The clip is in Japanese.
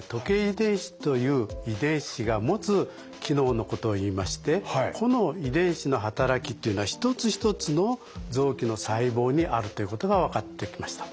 遺伝子という遺伝子が持つ機能のことをいいましてこの遺伝子の働きというのはひとつひとつの臓器の細胞にあるということが分かってきました。